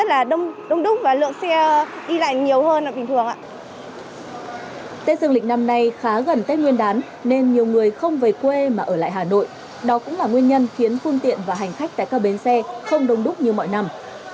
tết dương lịch năm nay khá gần tết nguyên đán nên nhiều người không về quê mà ở lại hà nội đó cũng là nguyên nhân khiến phương tiện và hành khách tại các bến xe không đông đúc như mọi năm